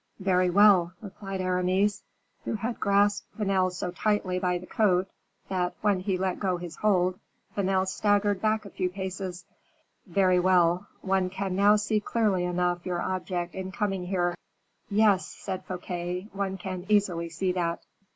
"Very well," replied Aramis, who had grasped Vanel so tightly by the coat that, when he let go his hold, Vanel staggered back a few paces, "very well; one can now see clearly enough your object in coming here." "Yes," said Fouquet, "one can easily see that."